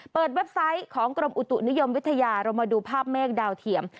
เว็บไซต์ของกรมอุตุนิยมวิทยาเรามาดูภาพเมฆดาวเทียม